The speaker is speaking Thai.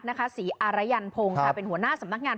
ฉี่อรัยันพงธ์เป็นหัวหน้าสำนักงาน